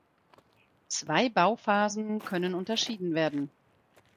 Zwei Bauphasen können unterschieden werden.